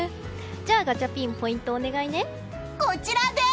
じゃあ、ガチャピンポイントをお願いね。